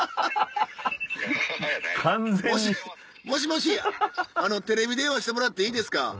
もしもしテレビ電話してもらっていいですか？